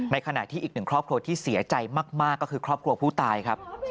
ขณะที่อีกหนึ่งครอบครัวที่เสียใจมากก็คือครอบครัวผู้ตายครับ